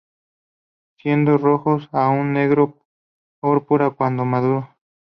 Siendo rojos a negro púrpura cuando maduros.